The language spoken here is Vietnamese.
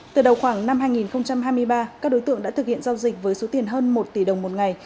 từ đầu khoảng năm hai nghìn hai mươi ba các đối tượng đã thực hiện giao dịch với số tiền hơn một tỷ đồng một ngày